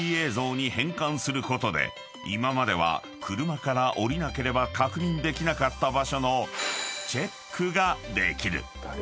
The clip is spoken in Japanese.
［今までは車から降りなければ確認できなかった場所のチェックができる］